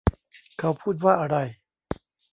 เขาพูดว่าอะไร ?